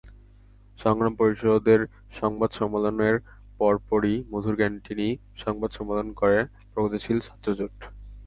সংগ্রাম পরিষদের সংবাদ সম্মেলনের পরপরই মধুর ক্যানটিনেই সংবাদ সম্মেলন করে প্রগতিশীল ছাত্রজোট।